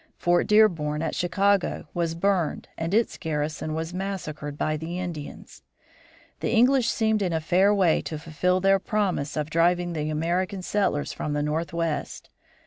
Fort Dearborn, at Chicago, was burned and its garrison was massacred by the Indians. The English seemed in a fair way to fulfill their promise of driving the American settlers from the Northwest.